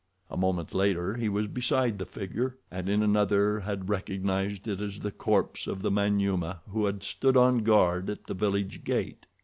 A moment later he was beside the figure, and in another had recognized it as the corpse of the Manyuema who had stood on guard at the village gate.